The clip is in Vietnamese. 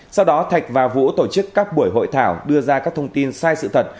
sau đó thạch và vũ tổ chức các buổi hội thảo đưa ra các thông tin sai sự thật